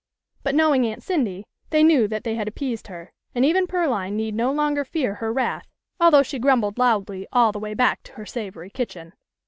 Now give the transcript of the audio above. But knowing Aunt Cindy, they knew that they had appeased her, and even Pearline need no longer fear her wrath, although she grumbled loudly all the way back to her savoury kitchen.